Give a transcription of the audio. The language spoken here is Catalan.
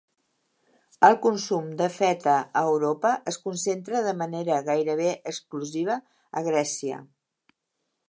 El consum de feta a Europa es concentra de manera gairebé exclusiva a Grècia.